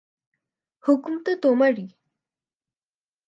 হুকুম তো তোমারই।